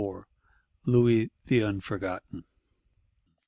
IV. Louis the Unforgotten.